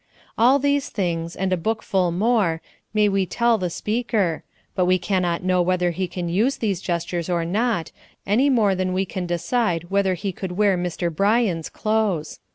All these things, and a bookful more, may we tell the speaker, but we cannot know whether he can use these gestures or not, any more than we can decide whether he could wear Mr. Bryan's clothes.